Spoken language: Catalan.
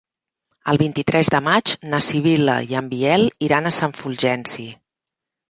El vint-i-tres de maig na Sibil·la i en Biel iran a Sant Fulgenci.